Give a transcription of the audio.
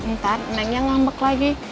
ntar nengnya ngambek lagi